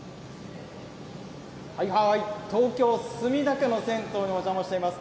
東京・墨田区の銭湯にお邪魔しています。